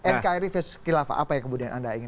nkri khilafah apa yang kemudian anda ingin